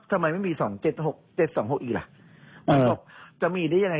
ทำไมไม่มีสองเจ็ดหกเจ็ดสองหกอีกหรออ๋อจะมีได้ยังไง